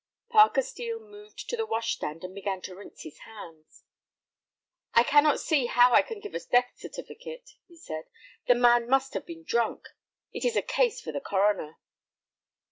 Parker Steel moved to the wash stand and began to rinse his hands. "I cannot see how I can give a death certificate," he said; "the man must have been drunk. It is a case for the coroner."